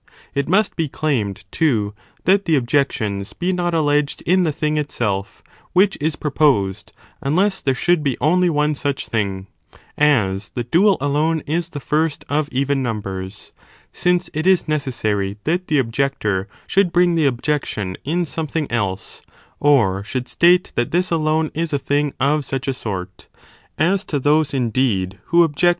{ It vol. ii. p. 518. must be claimed too, that the objections be not alleged in the thing itself, which is proposed, unless there should be only one such thing, as the dual alone is the first of even numbers, since it is necessary that the objector should bring the objection in something else, or should state that 3. Howtomeet this alone is a thing of such a sort. As to those it. indeed, who object.